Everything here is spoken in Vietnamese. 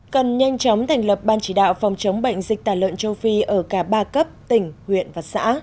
cần nhanh chóng thành lập ban chỉ đạo phòng chống bệnh dịch tả lợn châu phi ở cả ba cấp tỉnh huyện và xã